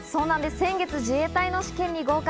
先月、自衛隊の試験に合格！